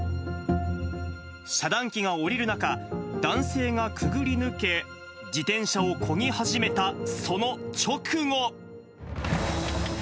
遮断機が下りる中、男性がくぐり抜け、自転車をこぎ始めたその直後。